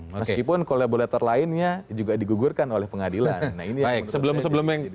meskipun kolaborator lainnya juga digugurkan oleh pengadilan ini baik sebelum sebelum yang